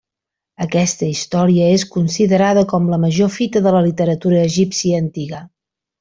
Aquesta història és considerada com la major fita de la literatura egípcia antiga.